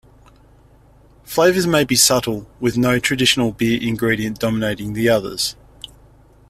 Flavours may be subtle, with no traditional beer ingredient dominating the others.